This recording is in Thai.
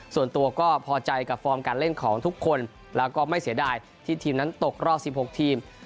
ส่วนตัวก็พอใจกับฟอร์มการเล่นของทุกคนแล้วก็ไม่เสียดายที่ทีมนั้นตกรอบ๑๖ทีม